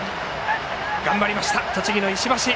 頑張りました栃木の石橋。